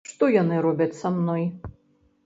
Што яны робяць са мной?